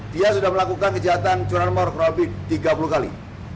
dia sudah melakukan kejahatan curanmor kurang lebih tiga puluh kali